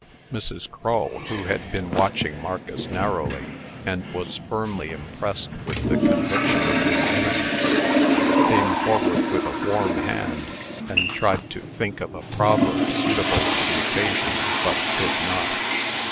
Mrs. Crull, who had been watching Marcus narrowly, and was firmly impressed with the conviction of his innocence, came forward with a warm hand, and tried to think of a proverb suitable to the occasion, but could not.